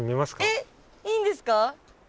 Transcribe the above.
えっいいんですか？